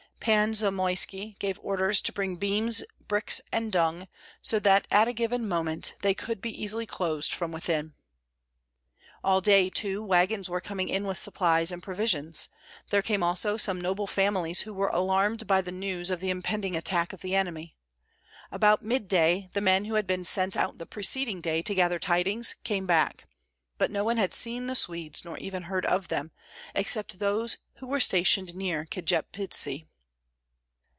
Pan Zamoyski gave orders to bring beams, bricks, and dung, so at a given moment they could be easily closed from within. All day, too, wagons were coming in with supplies and provisions; there came also some noble families who were alarmed by the news of the impending attack of the enemy. About midday the men who had been sent out the preceding day to gather tidings came back; but no one had seen the Swedes nor even heard of them, except those who were stationed near Kjepitsi.